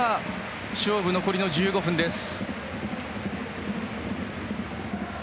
勝負は残りの１５分です。